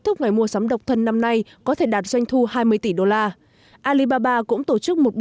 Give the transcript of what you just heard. thúc ngày mua sắm độc thân năm nay có thể đạt doanh thu hai mươi tỷ đô la alibaba cũng tổ chức một